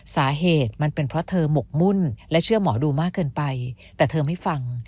สาเหตุมันเป็นเพราะเธอหมกมุ่นและเชื่อหมอดูมากเกินไปแต่เธอไม่ฟัง